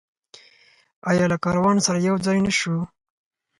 آیا له کاروان سره یوځای نشو؟